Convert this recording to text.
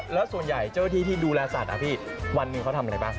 แล้วส่วนใหญ่เจ้าหน้าที่ที่ดูแลสัตว์พี่วันหนึ่งเขาทำอะไรบ้าง